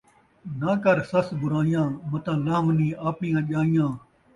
ناں کر سس برائیاں ، متاں لہونیں آپݨیاں ڄائیاں